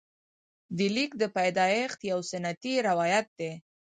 د لیک د پیدایښت یو سنتي روایت دی.